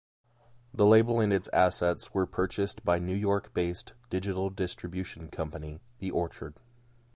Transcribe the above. The label and its assets were purchased by New York-based digital-distribution company, The Orchard.